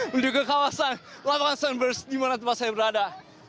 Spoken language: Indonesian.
menuju ke kawasan lapangan sunburst dimana tempat saya berada